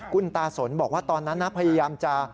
คุณตาสนบอกว่าตอนนั้นนะพยายามจะ